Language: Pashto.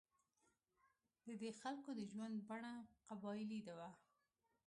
د دې خلکو د ژوند بڼه قبایلي وه.